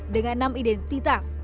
dengan enam identitas